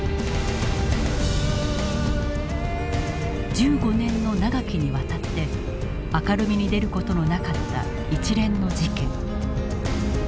１５年の長きにわたって明るみに出る事のなかった一連の事件。